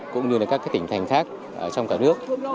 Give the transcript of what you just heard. cũng như các tỉnh thành khác trong cả nước